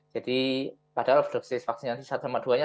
jadi padahal dosis vaksinasi ke satu sama ke dua nya